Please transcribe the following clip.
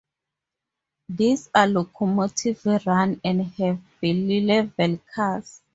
These are locomotive-run and have bilevel cars.